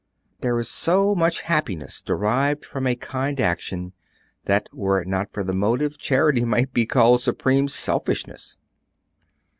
There is so much happiness derived from a kind action that were it not for the motive, charity might be called supreme selfishness.